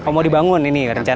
mau dibangun ini rencana